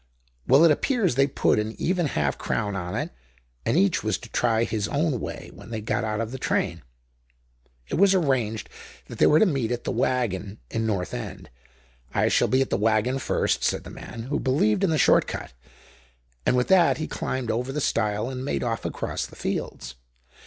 Well, it appears they put an even half crown on it, and each was to try his own way when they got out of the train. It was arranged that they were to meet at the 'Wagon' in Northend. 'I shall be at the "Wagon" first,' said the man who believed in the short cut, and with that he climbed over the stile and made off across the fields.